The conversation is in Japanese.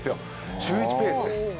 週一ペースです。